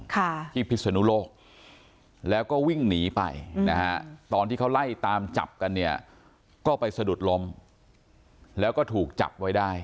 ค่ะที่พิศนุโลกแล้วก็วิ่งหนีไปนะฮะตอนที่เขาไล่ตามจับกันเนี่ยก็ไปสะดุดล้มแล้วก็ถูกจับไว้ได้